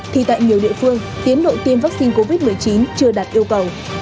thì tại nhiều địa phương tiến độ tiêm vaccine covid một mươi chín chưa đạt yêu cầu